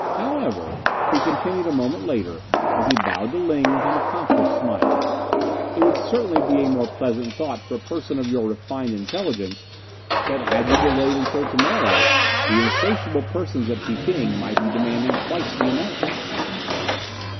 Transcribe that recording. "However," he continued a moment later, as he bowed to Ling with an accomplished smile, "it would certainly be a more pleasant thought for a person of your refined intelligence that had you delayed until to morrow the insatiable persons at Peking might be demanding twice the amount."